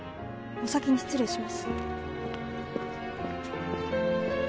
お先に失礼します。